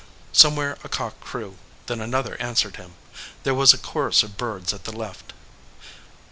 Somewhere a cock crew, then an other answered him. There was a chorus of birds at the left.